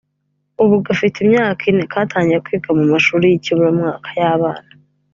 ubu gafite imyaka ine katangiye kwiga mu mashuri y’ikiburamwaka y’abana